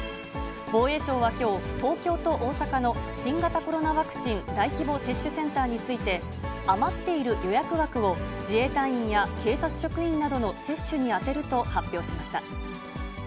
防衛省はきょう、東京と大阪の新型コロナワクチン大規模接種センターについて、余っている予約枠を自衛隊員や警察職員などの接種に充てると発表しました。